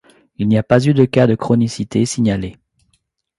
Il n'y a pas eu de cas de chronicité signalés.